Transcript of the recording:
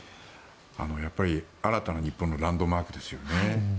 やっぱり新たな日本のランドマークですよね。